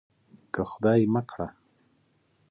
که خدای مه کړه.